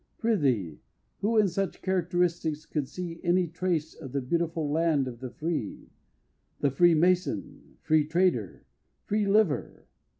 Prythee, who in such characteristics could see Any trace of the beautiful land of the free The Free Mason Free Trader Free Liver!